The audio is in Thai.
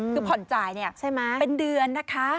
คือผ่อนจ่ายเนี่ยใช่ไหมเป็นเดือนนะคะ